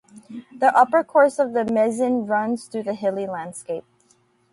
The upper course of the Mezen runs through the hilly landscape.